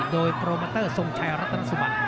โดยโปรโมเตอร์ทรงชัยรัตนสุบัติ